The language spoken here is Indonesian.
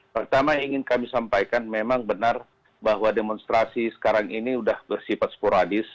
pertama ingin kami sampaikan memang benar bahwa demonstrasi sekarang ini sudah bersifat sporadis